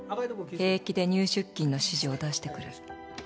「平気で入出金の指示を出してくる」